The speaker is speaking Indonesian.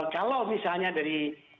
kalau misalnya dari